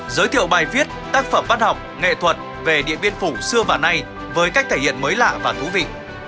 giới thiệu bài viết tác phẩm văn học nghệ thuật về điện biên phủ xưa và nay với cách thể hiện mới lạ và thú vị